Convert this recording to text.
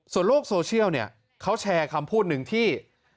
โลกโซเชียลเนี่ยเขาแชร์คำพูดหนึ่งที่